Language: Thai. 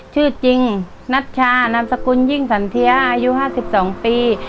ชื่อจริงนัชชานามสกุลยิ่งสันเทียอายุ๕๒ปี